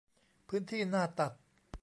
พื้นที่หน้าตัด